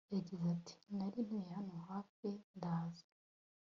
yagize ati nari ntuye hano hafi ndaza